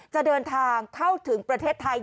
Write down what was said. จะเดินทางเข้าถึงประเทศไทย